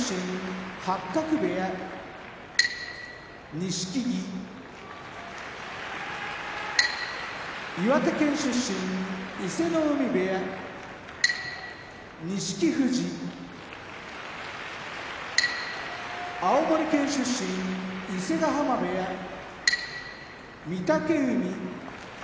錦木岩手県出身伊勢ノ海部屋錦富士青森県出身伊勢ヶ濱部屋御嶽海